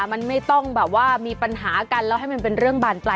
มันไม่ต้องแบบว่ามีปัญหากันแล้วให้มันเป็นเรื่องบานปลาย